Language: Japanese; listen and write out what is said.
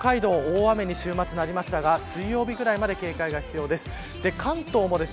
こちらは北海道大雨に週末なりましたが水曜日ぐらいまで警戒が必要です。